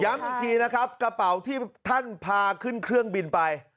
อีกทีนะครับกระเป๋าที่ท่านพาขึ้นเครื่องบินไป